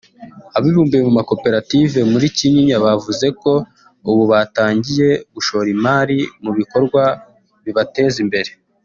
Abibumbiye mu makoperative muri Kinyinya bavuze ko ubu batangiye gushora imari mu bikorwa bibateza imbere